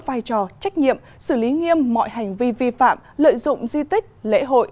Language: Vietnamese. vai trò trách nhiệm xử lý nghiêm mọi hành vi vi phạm lợi dụng di tích lễ hội